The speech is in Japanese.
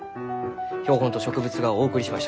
標本と植物画をお送りしました。